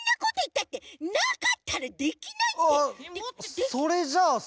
あっそれじゃあさ。